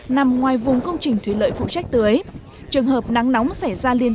nằm ngoài vùng công trình thủy lợi phụ trách tưới trường hợp nắng nóng xảy ra liên